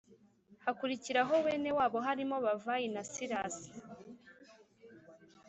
Hakurikiraho bene wabo barimo Bavayi na silasi